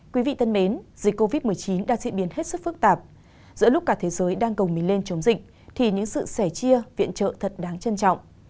quý vị thân mến dịch covid một mươi chín đang diễn biến hết sức phức tạp giữa lúc cả thế giới đang gồng mình lên chống dịch thì những sự sẻ chia viện trợ thật đáng trân trọng